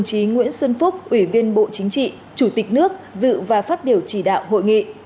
chủ tịch nước dự và phát biểu chỉ đạo hội nghị